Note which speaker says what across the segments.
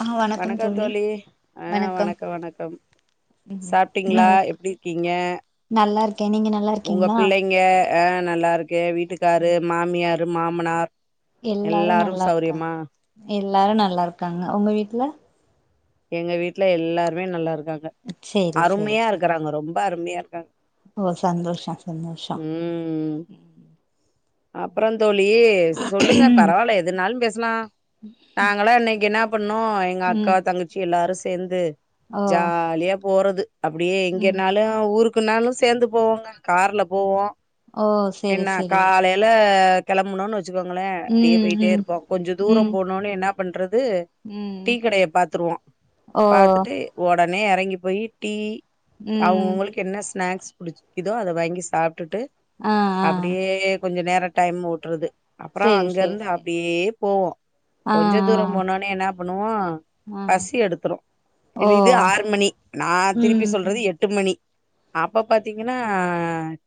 Speaker 1: ஆ வணக்கம்
Speaker 2: வணக்க தோழி அ
Speaker 1: வணக்கம்
Speaker 2: வணக்கோ வணக்கோம். சாப்டீங்ளா எப்டி இருக்கீங்க.
Speaker 1: நல்லாருக்கே நீங்க ந
Speaker 2: உங்க புள்ளைங்க அ நல்லாருக்கே வீட்டுக்காரு மாமியாரு மாமனாரு எல்லாரு
Speaker 1: நல்லா இருக்காங்க
Speaker 2: சௌரியமா.
Speaker 1: எல்லாரு நல்லா இருக்காங்க உங்க வீட்ல.
Speaker 2: எங்க வீட்ல எல்லாருமே நல்லா இருக்காங்க
Speaker 1: சேரி சேரி
Speaker 2: அருமையா
Speaker 1: சேரி
Speaker 2: இருக்கறாங்க ரொம்ப அருமையா இருக்காங்க.
Speaker 1: ஓ சந்தோஷோ சந்தோஷோ
Speaker 2: அப்றோ தோழி சொல்லுங்க பரவால எதுனாலு பேசலா. நாங்களா இன்னக்கு என்ன பண்ணோ எங்க அக்கா
Speaker 1: ம்
Speaker 2: தங்கச் ச்சி எல்லாரு சேந்து
Speaker 1: ஓ
Speaker 2: ஜாலியா போறது அப்டியே
Speaker 1: ம்
Speaker 2: எங்கேனாலு ஊருக் க்குனாலு சேந்து போவோங்க கார்ல போவோ
Speaker 1: ஓ சேரி
Speaker 2: என்ன
Speaker 1: சேரி
Speaker 2: காலைல கெளம்புனோனு வச்சுக்கோங்களே அப்டியே
Speaker 1: ம்
Speaker 2: போயிட்டே
Speaker 1: ம்
Speaker 2: இருப்போ கொஞ்ச தூரோ போ
Speaker 1: ம்
Speaker 2: போனோனே என்ன பண்றது
Speaker 1: ம்
Speaker 2: டீ கடைய பாத்துருவோ
Speaker 1: ஓ
Speaker 2: பாத்துட்டு ஒடனே எறங்கி போயி டீ
Speaker 1: ம்
Speaker 2: அவங்கவுங்களுக் என்ன ஸ்நாக்ஸ் புடிச்சுருக்குதோ அத வாங்கி சாப்ட்டுட்டு
Speaker 1: ஆ ஆ
Speaker 2: அப்டியே கொஞ்ச நேர டைம் ஓட்றது அப்புற
Speaker 1: சேரி
Speaker 2: அங்க
Speaker 1: சேரி
Speaker 2: இருந்து
Speaker 1: சேரி
Speaker 2: அப்டியே போவோ
Speaker 1: ஆ
Speaker 2: கொஞ்ச
Speaker 1: ஆ
Speaker 2: தூர போனோனே என்ன பண்ணுவோ
Speaker 1: ஆ
Speaker 2: பசி எடுத்துரு
Speaker 1: ஓ
Speaker 2: இதுக்கு ஆறுமணி நான் திருப்பி
Speaker 1: ம்
Speaker 2: சொல்றது எட் ட்டு மணி அப்ப பாத்தீங்கன்னா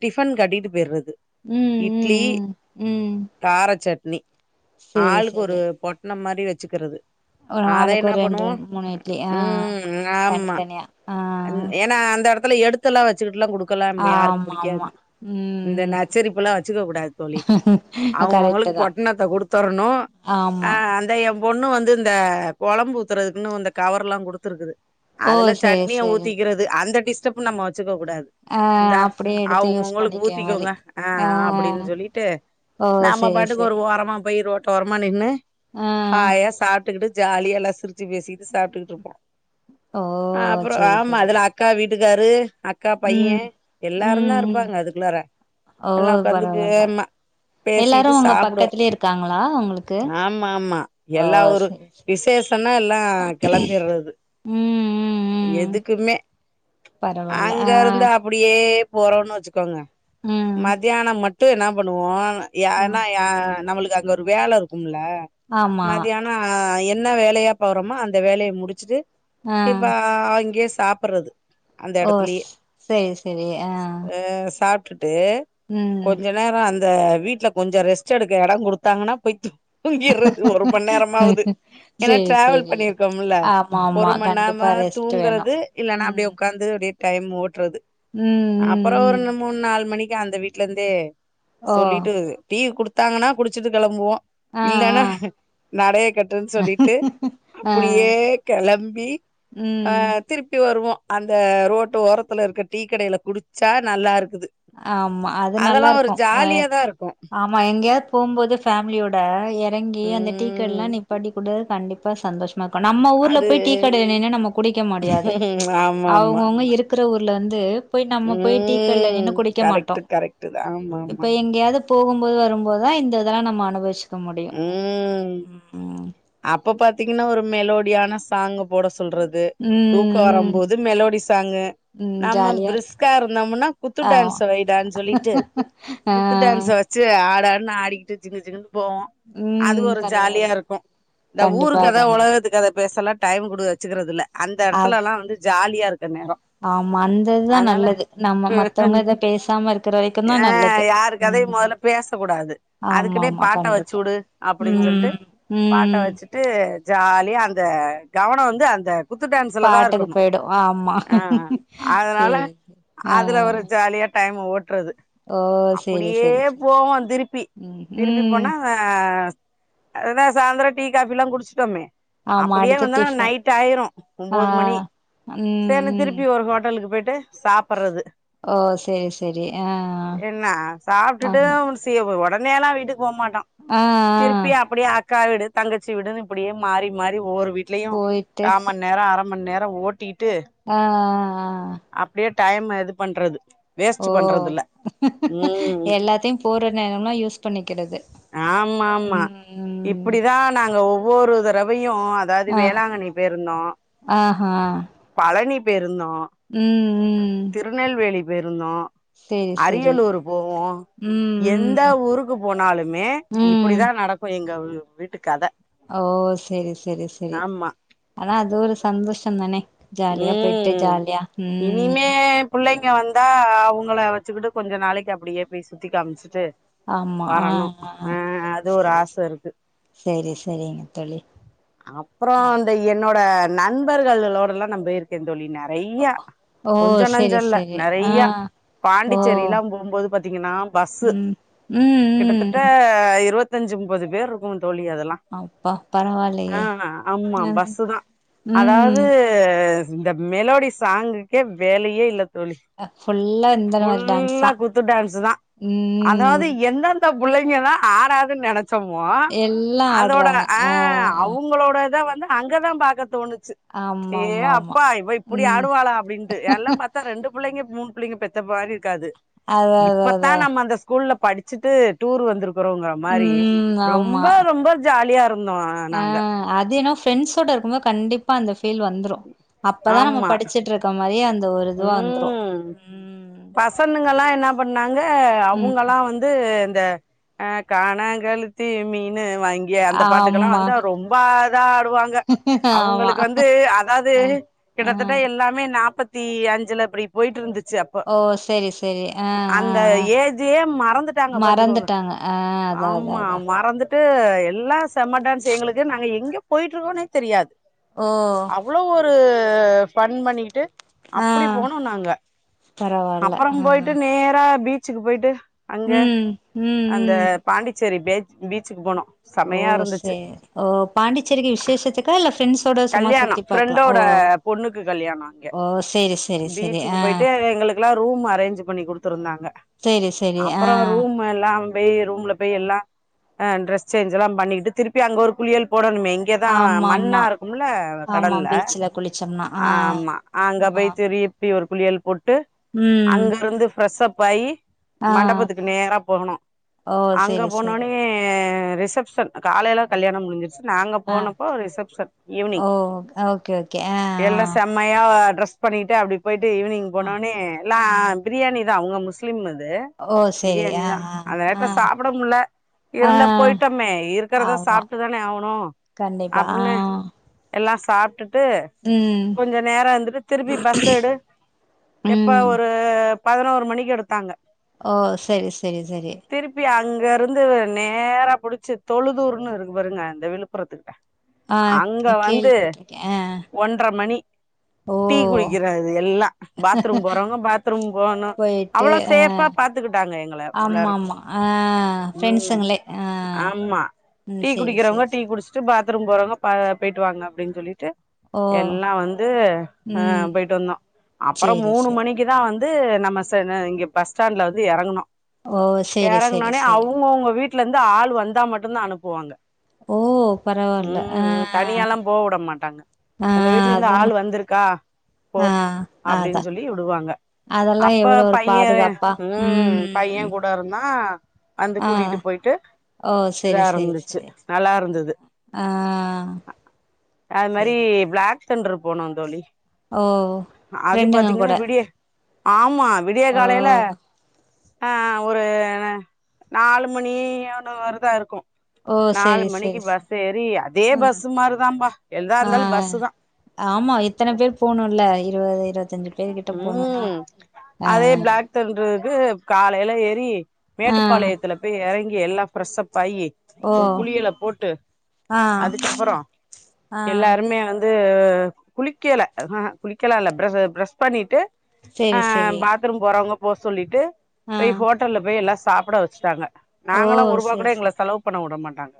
Speaker 2: டிஃபன் கட்டிட்டு போய்றது
Speaker 1: ம் ம்
Speaker 2: இட்லி
Speaker 1: ம் ம்
Speaker 2: கார சட்னி
Speaker 1: சேரி
Speaker 2: ஆளுக்கு ஒரு
Speaker 1: சேரி
Speaker 2: பொட் னோ மாரி வச்சுக்கிறது
Speaker 1: ஒரு
Speaker 2: அத
Speaker 1: ஆளுக்கு
Speaker 2: என்ன
Speaker 1: ஒரு ரெண்டு
Speaker 2: பண்ணுவோ
Speaker 1: ரெண்டு மூணு இட்லி ஆ
Speaker 2: ம் ஆமா
Speaker 1: தனித்தனியா ஆ
Speaker 2: அந் ஏனா அந்த மொதல்ல எடுத்துல்லா வச்சுக்கிட்லா குடுக்கலான் யாருக்
Speaker 1: ஆமா ஆமா
Speaker 2: புடிக்காது இந்த நேர
Speaker 1: ம்
Speaker 2: சிரிப்பலா வச்சுக்ககூடாது தோழி.
Speaker 1: கரெக்ட்டு
Speaker 2: அவுங்கவுங்ளுக்
Speaker 1: தா
Speaker 2: பொட்ணத்த குடுத்தரணு அ
Speaker 1: ஆமா
Speaker 2: அந்த எ பொண்ணு வந்து இந்த கொழம்பு ஊத்தறதுக்னு இந்த கவர்ரெல்லா குடுத்ருக்குது.
Speaker 1: ஓ
Speaker 2: அதுல
Speaker 1: சேரி
Speaker 2: சட்னிய
Speaker 1: சேரி
Speaker 2: ஊத்திக்கிறது அந்த டிஸ்டர்ப் நம்ம வச்சுக்க கூடாது.
Speaker 1: ஆ
Speaker 2: இந்தா
Speaker 1: அப்டியே எடுத்து யூஸ்
Speaker 2: அவுங்கவுங்ளுக்
Speaker 1: பண்ணிக்க மாரி
Speaker 2: ஊத்திக்கோங்க. அ
Speaker 1: ஆ
Speaker 2: அப்டின் சொல்லிட்டு
Speaker 1: ஓ
Speaker 2: நம்ம
Speaker 1: சேரி
Speaker 2: பாட்டுக்கு ஒரு
Speaker 1: சேரி
Speaker 2: ஓர பரமா போய் ரோட்டோரமா நின்னு
Speaker 1: ஆ
Speaker 2: ஹாயா சாப் ட்டுகிட்டு ஜாலியா எல்லா சிரிச்சு பேசிட்டு சாப்ட்டுட்டு இருப்போ
Speaker 1: ஓ
Speaker 2: அ அப்புற
Speaker 1: சேரி
Speaker 2: ஆமா
Speaker 1: சேரி
Speaker 2: அதுல அக்கா வீட்டுக்காரு அக்கா பையே
Speaker 1: ம்
Speaker 2: எல்லாருந்தா
Speaker 1: ம் ம்
Speaker 2: இருப்பாங்க அதுக்குள்ளார
Speaker 1: ஓ
Speaker 2: எல்லா ஒக்காந்துட்
Speaker 1: பரவால்ல
Speaker 2: வேமா
Speaker 1: எல்லாரு
Speaker 2: பேசிட்டு
Speaker 1: உங்க
Speaker 2: சாப்டுவோ
Speaker 1: பக்கத்துலயே இருக்காங்களா உங்களுக்கு
Speaker 2: ஆமா ஆமா
Speaker 1: ஓ
Speaker 2: எல்லா ஒரு
Speaker 1: சேரி சேரி
Speaker 2: விசேஷனா எல்லா கெளம்பிறது
Speaker 1: ம் ம் ம்
Speaker 2: எதுக்குமே
Speaker 1: பரவால்ல
Speaker 2: அங்க
Speaker 1: ஆ
Speaker 2: இருந்து அப்டியே போறோனு வச்சுக்கோங்க
Speaker 1: ம்
Speaker 2: மதியான மட்டு என்ன பண்ணுவோ யானா
Speaker 1: ம்
Speaker 2: யா நம்மளுக்கு அங்க ஒரு வேல இருக்கும்ல
Speaker 1: ஆமா
Speaker 2: மதியான அ என்ன வேலயா போறோமோ அந்த வேலய முடிச்சுட்டு
Speaker 1: ஆ
Speaker 2: இப்ப அங்கயே சாப்புறது அந்த
Speaker 1: ஓ
Speaker 2: எடத்துலயே
Speaker 1: சேரி சேரி ஆ
Speaker 2: அ சாப்ட்டுட்டு
Speaker 1: ம்
Speaker 2: நேரா அந்த வீட்ல கொஞ்ச ரெஸ்ட் எடுக்க எடங் கொடுத்தாங்னா போய் தூ தூங்கிறது ஒரு மண் நேரமாவது ஏனா
Speaker 1: சேரி
Speaker 2: டிரேவல்
Speaker 1: சேரி
Speaker 2: பண்ணிருக்கோம்ல
Speaker 1: ஆமா ஆமா
Speaker 2: ஒரு
Speaker 1: கண்டிப்பா
Speaker 2: மந்நேரமா
Speaker 1: ரெஸ்ட் வேணு
Speaker 2: தூங்குறது இல்லனா அப்டியே
Speaker 1: ம்
Speaker 2: ஒக்காந்து அப்டியே டைம் ஓட்றது
Speaker 1: ம்
Speaker 2: அப்புறோ
Speaker 1: ம்
Speaker 2: ஒரு
Speaker 1: ம்
Speaker 2: மூணு நாலு மணிக்கு அந்த வீட்ல இருந்தே
Speaker 1: ஓ
Speaker 2: சொல்லிட்டு டீ குடுத்தாங்கன்னா குடிச்சிட்டு கெளம்புவோ
Speaker 1: ஆ ஆ
Speaker 2: இல்லேனா நடய கட்டுன் சொல்லிட்டு
Speaker 1: ஆ
Speaker 2: அப்டியே கெளம்பி அ
Speaker 1: ம்
Speaker 2: திருப்பி வருவோ அந்த ரோட்டு ஓரத்துல இருக்க டீ கடைல குடிச்சா நல்லா இருக்குது
Speaker 1: ஆமா அது
Speaker 2: அதெல்லா ஒரு
Speaker 1: நல்லாருக்கு ஒ
Speaker 2: ஜாலியாதா இருக்கு
Speaker 1: அ மா எங்கயாவது போம்போது ஃபேமிலியோட எறங்கி அந்த டீ ல்லா
Speaker 2: ம்
Speaker 1: நிப்பாட்டி கூட கண்டிப்பா சந்தோஷ நம்ம ஊர்ல
Speaker 2: அது
Speaker 1: போய் டீ கடைல நின்னு நம்ம குடிக்க முடியாது
Speaker 2: ம் ஆமா ஆமா
Speaker 1: அவங்கவுங்க இருக் க்குற ஊர்ல வந்து போய் நம்ம போய் டீக் கடைல
Speaker 2: ம்
Speaker 1: நின்னு
Speaker 2: கரெக்ட்டு கரெக்ட்டு தா ஆமாமா
Speaker 1: எங்கயாவது போகும்போது வரும்போதுதா இந்த இதல்லா நம்ம அனுபவிச்சிக்க முடியு
Speaker 2: ம்
Speaker 1: ம்
Speaker 2: அப்ப பாத்தீங்கன்னா ஒரு மெலோடியான சாங்க போட சொ ல்றது தூக்கம் வரும்
Speaker 1: ம்
Speaker 2: போது மெலோடி சாங்கு
Speaker 1: ம் ம்
Speaker 2: நம்ம
Speaker 1: ஜாலியா இருக்கு
Speaker 2: பிரிஸ்கா இருந்தம்னா குத்து
Speaker 1: ஆமா
Speaker 2: டான்ஸ வையிடான்னு சொல்லிட்டு
Speaker 1: ஆ
Speaker 2: குத்து டான்ஸ வச் ச்சு ஆடாடுன்னு ஆடிக்கிட்டு ஜிங்கு ஜிங்குனு போவோ அது
Speaker 1: ம்
Speaker 2: ஒரு ஜாலியா
Speaker 1: பரவால்ல
Speaker 2: இருக்கு இந்த ஊரு
Speaker 1: கண்டிப்பா
Speaker 2: கத
Speaker 1: கண்டிப்பா
Speaker 2: ஒலகத்து கத பேசலா டைம் குடு வச்சுக்கறதில்ல அந்த
Speaker 1: அது
Speaker 2: எடத்துலலா வந்து ஜாலியா இருக்க நேரோ
Speaker 1: ஆமா அந்ததுதா
Speaker 2: அதனால
Speaker 1: நல்லது நம்ம மத்தவுங்க இத பேசாம இருக்கிற வரைக்கும் தா நல்லது ம்
Speaker 2: பேசகூடாது
Speaker 1: ஆமா
Speaker 2: அதுக்குனே
Speaker 1: ஆமா
Speaker 2: பாட்ட
Speaker 1: கண்டிப்பா
Speaker 2: வச்சுடு அப்டின் சொல்ட்டு
Speaker 1: ம்
Speaker 2: பாட்ட
Speaker 1: ம்
Speaker 2: வச்சு ட்டு ஜாலியா அந்த கவனனோ வந்து அந்த குத்து டேன்ஸ்லதா
Speaker 1: பாட்டுக்கு
Speaker 2: இருக்குணு
Speaker 1: போயிடு ஆமா
Speaker 2: அ அதனால
Speaker 1: சேரி ஆ
Speaker 2: அதுல ஒரு ஜாலியா டைம்ம ஓட்றது
Speaker 1: ஓ சேரி
Speaker 2: அப்படியே
Speaker 1: சேரி சேரி
Speaker 2: போவோ திருப்பி
Speaker 1: ம்
Speaker 2: திருப்பி
Speaker 1: ம்
Speaker 2: போனா அ அதுதா சாய்ந்தர டீ காஃபிலா குடிச்சுட்டோமே
Speaker 1: ஆமா
Speaker 2: அப்படியே
Speaker 1: அடுத்து
Speaker 2: வந்தனா
Speaker 1: டிஃபன்
Speaker 2: நைட் ஆயிரு
Speaker 1: ஆ
Speaker 2: ஒம்போது மணி
Speaker 1: ம்
Speaker 2: சேர்னு
Speaker 1: ம்
Speaker 2: திருப்பி ஒரு ஹோட்டலுக்கு போய்ட்டு சாப்பறது
Speaker 1: ஓ சேரி சேரி ஆ
Speaker 2: என்ன சாப்ட்டுட்டு
Speaker 1: ஆமா
Speaker 2: சி உடனேல்லா வீட்டுக்கு போ மாட்டோ
Speaker 1: ஆ ஆ
Speaker 2: திருப்பி அப்டியே அக்கா வீடு தங்கச்சி வீடுன்னு இப்டியே மாறி மாறி ஒவ்வொரு வீட்லயு
Speaker 1: போயிட்டு
Speaker 2: காமன் நேரோ அர மண் நேரோ ஓட்டிட்டு
Speaker 1: அ அ அ அ
Speaker 2: அப்டியே டைம இது பண்றது வேஸ்ட்
Speaker 1: ஓ
Speaker 2: பண்றது இல்ல ம்
Speaker 1: எல்லாத்தையு போர நேரோம்லா யூஸ் பண்ணிக்கிறது
Speaker 2: ஆமாம்மா
Speaker 1: ம் ம்
Speaker 2: இப்டிதா நாங்க ஒவ்வொரு தடவையு அதாவது
Speaker 1: ஆ
Speaker 2: வேளாங்கண்ணி போயிருந்தோ
Speaker 1: ஆஹா
Speaker 2: பழனி போயிருந்தோ
Speaker 1: ம் ம்
Speaker 2: திருநெல்வேலி போயிருந்தோ
Speaker 1: சேரி சேரி
Speaker 2: அரியலூர் போவோ
Speaker 1: ம்
Speaker 2: எந்த
Speaker 1: ம்
Speaker 2: ஊருக்கு போனாலு மே
Speaker 1: ம்
Speaker 2: இப்பிடிதா நடக்கு எங்க உ வீட்டுக் கத
Speaker 1: ஓ செரி செரி செரி
Speaker 2: ஆமா
Speaker 1: ஆனா அது ஒரு சந்தோஷந் தானே ஜாலியா போயிட்டு
Speaker 2: ம்
Speaker 1: ஜாலியா ம்
Speaker 2: இனிமே புள்ளைங்க வந்தா அவுங்கள வச்சுக்கிட்டு கொஞ்ச நாளைக்கு அப்டியே போய் சுத்தி காமிச்சுட்டு
Speaker 1: ஆமா ஆ
Speaker 2: வரணு
Speaker 1: ஆ
Speaker 2: அ அது ஒரு
Speaker 1: சேரி
Speaker 2: ஆச இருக்கு
Speaker 1: சேரி சேரிங்க தோழி
Speaker 2: அப்றோ
Speaker 1: பரவா
Speaker 2: இந்த என்னோட நண்பர்கள்லலளோட ல்லா நா போயிருக்கே தோழி நெறையா
Speaker 1: ஓ
Speaker 2: கொஞ்ச நஞ்சோ
Speaker 1: சேரி
Speaker 2: இல்ல
Speaker 1: சேரி ஆ
Speaker 2: நெறையா
Speaker 1: ஓ
Speaker 2: பாண்டிச்சேரி லாம் போம்போது பாத்தீங்கன்னா பஸ்ஸு
Speaker 1: ம் ம்
Speaker 2: கிட்டத்தட்ட
Speaker 1: ம்
Speaker 2: இருவ த்தஞ்சு முப்பது பேர் இருக்கு தோழி அதெல்லா
Speaker 1: அப்பா
Speaker 2: ஆ
Speaker 1: பரவாயில்லையே
Speaker 2: ஆமா
Speaker 1: ம்
Speaker 2: பஸ்ஸு தா அதாது
Speaker 1: ம்
Speaker 2: து இந்த மெலோடி சாங்குக்கே வேலயே இல்லத் தோழி
Speaker 1: ஃபுல்லா இந்த மாரி டான்ஸ்
Speaker 2: ஃபுல்லா
Speaker 1: தா
Speaker 2: குத்து டான்ஸ் தா
Speaker 1: ம்
Speaker 2: அதாது எந்தந் த புள்ளைங்கலா ஆடாதுனு நெனச் சோமோ
Speaker 1: எல்லா
Speaker 2: அதோட
Speaker 1: ஆடுறாங்க
Speaker 2: ஆ அவுங்களோடத வந்து அங்கதா பாக்க தோணுச்சு
Speaker 1: ஆமா
Speaker 2: ஏ
Speaker 1: ஆமா ஆமா
Speaker 2: அப்பா இவ இப்டி
Speaker 1: ம்
Speaker 2: ஆடுவாளா அப்டின்ட்டு எல்லா பார்த்தா ரெண்டு புள்ளைங்க மூணு புள்ளைங்க பெத்த மாரி இருக்காது
Speaker 1: அதா அதா
Speaker 2: இப்பத்தா
Speaker 1: அதா
Speaker 2: நம்ம அந்த ஸ்கூல்ல படி ச்சட்டு டூர் வந்திருக்குறோவுங்க மாரி
Speaker 1: ம் ஆமா
Speaker 2: ரொம்ப ரொம்ப ஜாலியா ருக்
Speaker 1: ஆ அது ஏனா ஃப்ரெண்ட்ஸோட இருக்கு போது கண்டிப்பா அந்த ஃபீல் வந்து ரு அப்பதா நம்ம
Speaker 2: ஆமா
Speaker 1: படிச்சுட்டு ருக்க மாரியே அந்த ஒரு இதுவா வந்துரு ம்
Speaker 2: பசனுங்கல்லா என்ன பண்ணாங்க
Speaker 1: ம்
Speaker 2: அவுங்கல்லா வந்து இந்த அ காணாங்கெழுத்தி மீனு வாங் கியே அந்த பாட்டுக்கெல்லா
Speaker 1: ஆமா
Speaker 2: வந்தா ரொம்ப அழகா ஆடுவாங்க
Speaker 1: ஆமா
Speaker 2: அவுங்களுக்கு வந்து அதாவது
Speaker 1: அ
Speaker 2: கிட்டத்தட்ட
Speaker 1: ஆ
Speaker 2: எல்லாமே நாபத் தி அஞ்சுல அப்டி போயிட்டு இருந்துச்சு இப்ப
Speaker 1: ஓ செரி செரி ஆ ஆ
Speaker 2: அந்த
Speaker 1: ஆ
Speaker 2: ஏஜே மறந்துட்டாங்க பாத்துக்கோங்க
Speaker 1: மறந்துட்டாங்க ஆ அதா அதா
Speaker 2: ஆமா
Speaker 1: அதா
Speaker 2: மறந்துட் டு எல்லா செமடான்ஸு எங்களுக்கு நாங்க எங்க போயிட்டு ருக்கோனே தெரியாது
Speaker 1: ஓ
Speaker 2: அவ்ளோ ஒரு ஃபன் பண்ணிக்கிட்டு
Speaker 1: ஆ
Speaker 2: அப்டி போனோ நாங்க
Speaker 1: பரவால்ல
Speaker 2: அப்பறோ
Speaker 1: ஆ
Speaker 2: போயிட்டு நேரா பீச்சுக்கு போயிட்டு அங்க
Speaker 1: ம் ம்
Speaker 2: அந்த
Speaker 1: ம்
Speaker 2: பாண்டிச்சேரி பேச் பீச்சுக்கு போனோ
Speaker 1: ஓ
Speaker 2: செமையா இருந்துச்சு
Speaker 1: ஸ்சேர் ஓ பாண்டிச்சேரிக்கு விசேஷச செக் கா இல்ல ஃபிரெண்ஸோட சும்மா
Speaker 2: கல்யாணோ
Speaker 1: சுத்தி பாக்கலா ஓ
Speaker 2: ஃப்ரெண்டோட பொண்ணுக்கு கல்யாணோ அங்க
Speaker 1: ஓ ஸ்சேரி ஸ்
Speaker 2: பீச்சுக்கு போயிட்டு எங்களுக்கெல்லா ரூம் அரேஞ்ச் பண்ணி குடுத்துருந்தாங்க
Speaker 1: சேரி சேரி ஆ
Speaker 2: அ எல்லாம் பேய் ரூம்ல பேய் எல்லா அ ட்ரெஸ் சேஞ்செலா பண்ணிகிட்டு திருப்பி அங்க ஒரு குளியல் போடணுமே இங்கேதா
Speaker 1: ஆமா ஆமா
Speaker 2: மண்ணாரு குல
Speaker 1: ஆமா
Speaker 2: கடல்ல
Speaker 1: பீச்ல குளிச்சோம்னா ஆ
Speaker 2: ஆமா அங்க
Speaker 1: ஆ
Speaker 2: பேய்ட்டு ப்டி இப்டி ஒரு குளியல் போட்டு
Speaker 1: ம்
Speaker 2: அங்க இருந்து பிரஷ்ஷப் ஆயி
Speaker 1: ஆ
Speaker 2: மண்டபத்துக்கு நேரா போகுணு
Speaker 1: ஓ
Speaker 2: அங்க
Speaker 1: சேரி சேரி
Speaker 2: போனோனே ரிசப்ஷன் காலேல கல்யாணம் முடிஞ்சிருச்சு நாங்க
Speaker 1: ஆ
Speaker 2: போனப்போ ரிசப்ஷன்
Speaker 1: ஓ
Speaker 2: ஈவினிங்
Speaker 1: ஓகே ஓகே ஆ ஆ
Speaker 2: மயா ட்ரெஸ் பண்ணிட்டு அப்டி போயிட்டு ஈவினிங் போனோனே ல்லா
Speaker 1: ஆ
Speaker 2: பிரியாணி தா அவ்ங்க முஸ் லிம் அது
Speaker 1: ஓ செரி
Speaker 2: பிரியாணி
Speaker 1: ஆ
Speaker 2: தா அந்த
Speaker 1: ஆ ஆ
Speaker 2: நேர்த்துல சாப்புட முல
Speaker 1: ஆ
Speaker 2: இருந்தா போய்ட்டோமே இருக்குறத
Speaker 1: ஆமா
Speaker 2: சாப்ட்டுதானே ஆகுணு
Speaker 1: கண்டிப்பா ஆ
Speaker 2: அப்புன்னு எல்லா சாப்ட்டுட்டு
Speaker 1: ம்
Speaker 2: கொஞ்ச நேர வந்துட்டு திரும்பி பஸ்ஸு எடு எப்ப
Speaker 1: ம்
Speaker 2: ஒரு பதுனோரு மணிக்கு எடுத்தாங்க
Speaker 1: ஓ செரி செரி செரி
Speaker 2: திருப்பி அங்க இருந்து நேரா புடிச்சு தொழுதூர்ன்னு இருக்கு பாருங்க அந்த விழுப்புரத்துக்கிட்ட
Speaker 1: ஆ
Speaker 2: அங்க வந்து
Speaker 1: கேள்விப்பட்டிருக்கே ஆ
Speaker 2: ஒன்ற மணி
Speaker 1: ஓ
Speaker 2: டீ குடிக்கிறது எல்லா பாத்ரூம் போறவ்ங்க பாத்ரூம் போகணு
Speaker 1: போயிட்டு
Speaker 2: அவுளோ
Speaker 1: ஆ
Speaker 2: சேஃபா பாத்துக்கிட்டாங்க எங்கள
Speaker 1: ஆமா
Speaker 2: உள்ளாரு
Speaker 1: ஆமா ஆ
Speaker 2: ம்
Speaker 1: ஃப்ரெண்ட்ஸுங்களே ஆ
Speaker 2: ஆமா
Speaker 1: ம்
Speaker 2: டீ
Speaker 1: செரி
Speaker 2: குடிக்கிறவ்ங்க
Speaker 1: செரி
Speaker 2: டீ
Speaker 1: செரி
Speaker 2: குடிஸ்ட்டு பாத்ரூம் போறவ்ங்க பா பேய்ட்டு வாங்க அப்டின் சொல்லிட்டு
Speaker 1: ஓ
Speaker 2: எல்லா வந்து அ
Speaker 1: ம்
Speaker 2: பேய்ட்டு வந்தோ அப்பறோ
Speaker 1: செரி
Speaker 2: மூணு
Speaker 1: செரி
Speaker 2: மணி க்கிதா வந்து நம்ம ச ன இங்க பஸ்ஸ்டாண்ட்ல வந்து எறங்குனோ
Speaker 1: ஓ செரி செரி
Speaker 2: எறங்குனோனே
Speaker 1: செரி
Speaker 2: அவ்ங்கவுங்க வீட்ல இருந்து ஆள் வந்தா மட்டுந்தா அனுப்புவாங்க
Speaker 1: ஓ பரவால்ல ஆ
Speaker 2: ம் தனியாலா போ உட மாட்டாங்க
Speaker 1: ஆ
Speaker 2: உங்க வீட்ல இர்ந்து
Speaker 1: அதெல்லா
Speaker 2: ஆள் வந்துருக்கா
Speaker 1: ஆ
Speaker 2: அப்டின்
Speaker 1: அதா
Speaker 2: சொல்லி உடுவாங்க
Speaker 1: அதெல்லா
Speaker 2: அப்ப
Speaker 1: எவ்ளோ ஒரு
Speaker 2: பையன்
Speaker 1: பாதுகாப்பா
Speaker 2: ம் பையன் கூ டர்ந்தா வந்து
Speaker 1: ஆ
Speaker 2: கூட்டிட்டு போய்ட்டு
Speaker 1: ஓ செரி
Speaker 2: இதா
Speaker 1: செரி
Speaker 2: இருந்துச்சு
Speaker 1: செரி
Speaker 2: நல்லா இருந்தது
Speaker 1: ஆ
Speaker 2: அது மாரி
Speaker 1: செரி செரி
Speaker 2: பிளாக் தண்ட்ரு போனோ தோழி
Speaker 1: ஓ
Speaker 2: அது
Speaker 1: ஃப்ரெண்டுங்க
Speaker 2: பாத்தீங்னா
Speaker 1: கூட
Speaker 2: விடிய ஆமா விடிய
Speaker 1: ஓ
Speaker 2: காலேல ஆ ஒரு ந நாலு மணி ஆன மாருதா இருக்கு
Speaker 1: ஓ
Speaker 2: நாலு
Speaker 1: செரி
Speaker 2: மணிக்கு
Speaker 1: செரி செரி
Speaker 2: பஸ் ஏறி அதே
Speaker 1: ம்
Speaker 2: பஸ்ஸு மாரிதாம்பா எதா
Speaker 1: ஆ
Speaker 2: இருந்தாலு பஸ்ஸு தா
Speaker 1: ஆமா இத்தன பேர் போணுல இருவது இருவத்தஞ்சு பேரு கிட்ட போணுனா அ அ அ
Speaker 2: தன்ட்ரூக்கு காலேல ஏறி
Speaker 1: ஆ
Speaker 2: மேட்டுபாளையத்துல பேய் எறங்கி எல்லா ஃப்ரெஷ் அப் ஆயி
Speaker 1: ஓ
Speaker 2: ஒரு குளியல போட்டு
Speaker 1: ஆ
Speaker 2: அதுக்கப்புறோ
Speaker 1: ஆ
Speaker 2: எல்லாருமே அங்கந் து குளிக்கெல அஹஹா குளிக்கலா இல்ல ப்ரஷு ப்ரஷ் பண்ணிட்டு ஆ
Speaker 1: செரி செரி
Speaker 2: பாத்ரூம் போறவ்ங்க போ சொல்லிட்டு
Speaker 1: ஆ
Speaker 2: போய் ஹோட்டல்ல போய் எல்லா சாப்புட வச்ட்டாங்க
Speaker 1: ஓ
Speaker 2: நாங்களா ஒருபா கூட
Speaker 1: செரி
Speaker 2: எங்ள
Speaker 1: செரி
Speaker 2: செலவ் பண்ண உட மாட்டாங்க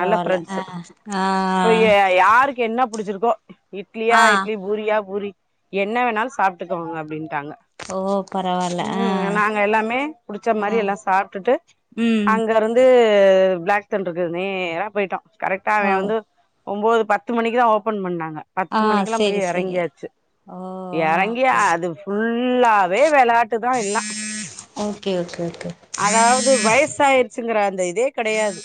Speaker 2: நல்ல ஃபிரண்ஸ்ஸு
Speaker 1: ஆ ஆ
Speaker 2: இ்ப்பய யாரு க்கு என்ன புடிச்சிருக்கோ இட்லியா
Speaker 1: ஆ
Speaker 2: இட்லி பூரியா பூரி என்ன வேணாலு சாப்ட்டுகோங்க அப்டின்டாங்க
Speaker 1: ஓ பரவால்ல ஆ
Speaker 2: ம் நாங்க எல்லாமே புடிச்ச
Speaker 1: ஆ
Speaker 2: மாரி எல்லா சாப்ட்டுட்டு
Speaker 1: ம்
Speaker 2: அங்க இருந் து பிளாக தன்டர்க்கு நேரா போய்ட்டா கரெக்ட்டா
Speaker 1: ஓ
Speaker 2: அவேன் வந்து ஒம்போது பத்து மணிக்குதா ஓப்பன் பண்ணாங்க பத்து
Speaker 1: ஆ
Speaker 2: மணிக்குலா
Speaker 1: செரி
Speaker 2: பேய்
Speaker 1: செரி
Speaker 2: எறங்கியாச்சி
Speaker 1: ஓ ஆ
Speaker 2: எறங்கி
Speaker 1: ஓகே
Speaker 2: அது ஃபுல்லாவே வெளாட்டுதா எல்லா
Speaker 1: ஓகே ஓகே ஓகே
Speaker 2: அதாவ்து வய்சாய்ர்ச்சிங்கிற அந்த இதே கெடையாது